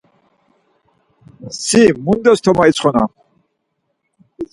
Si mundes toma itsxonam?